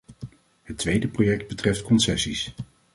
Het tweede project betreft concessies.